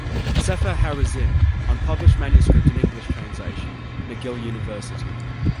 "Sepher Ha-Razim", Unpublished manuscript and English translation, McGill University.